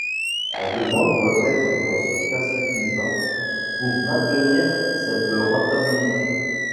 La demande doit être dans ce cas suffisante pour maintenir cette rentabilité.